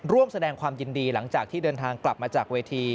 ร่วมแสดงความยินดีหลังจากที่เดินทางกลับมาจากเวที